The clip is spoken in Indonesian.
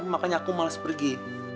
makanya aku males pergi